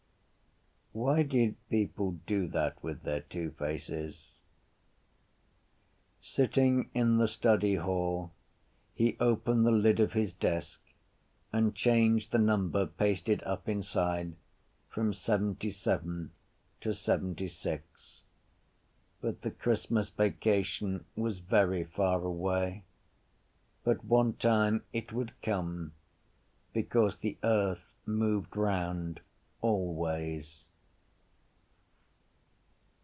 Why did people do that with their two faces? Sitting in the study hall he opened the lid of his desk and changed the number pasted up inside from seventyseven to seventysix. But the Christmas vacation was very far away: but one time it would come because the earth moved round always.